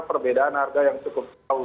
perbedaan harga yang cukup jauh